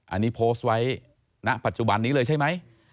อันนี้โพสต์ไว้ณปัจจุบันนี้เลยใช่ไหม